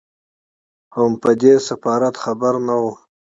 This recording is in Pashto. هم په دې سفارت خبر نه وو.